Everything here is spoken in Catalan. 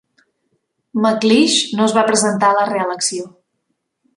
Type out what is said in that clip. McLeish no es va presentar a la reelecció.